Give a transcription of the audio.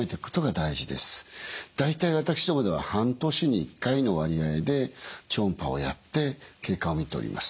大体私どもでは半年に１回の割合で超音波をやって経過を見ております。